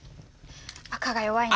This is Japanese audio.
赤が弱いな。